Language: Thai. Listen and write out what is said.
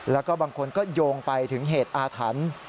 แล้วก็บางคนก็โยงไปถึงเหตุอาถรรพ์